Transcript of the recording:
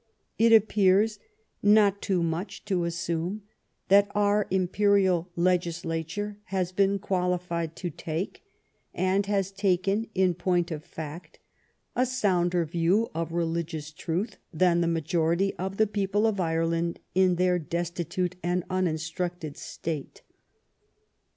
It appears not too GLADSTONE'S FIRST BOOK yi much to assume that our Imperial legislature has been qualified to take, and has taken in point of fact, a sounder view of religious truth than the majority of the people of Ireland in their destitute and uninstructed state.